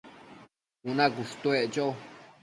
cuna cushtuec cho